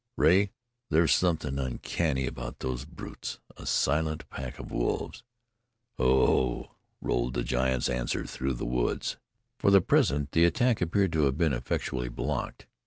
"Rea, there's something uncanny about those brutes. A silent pack of wolves!" "Ho! Ho!" rolled the giant's answer through the woods. For the present the attack appeared to have been effectually checked.